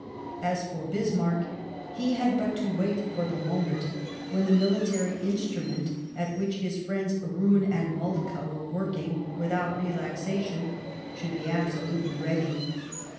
As for Bismarck, he had but to wait for the moment when the military instrument, at which his friends, Roon and Moltke, were working without relaxation, should be absolutely ready.